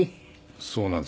そうなんですね。